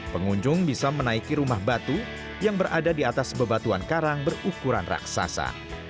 pengunjung bisa menaiki rumah batu yang berada di atas bebatuan karang berukuran raksasa